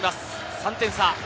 ３点差。